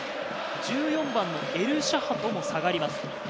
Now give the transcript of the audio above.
１４番のエルシャハトも下がります。